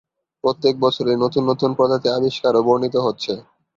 প্রত্যেক বছরই নতুন নতুন প্রজাতি আবিষ্কার ও বর্ণিত হচ্ছে।